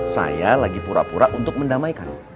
saya lagi pura pura untuk mendamaikan